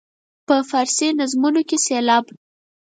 په فارسي نظمونو کې سېلاب.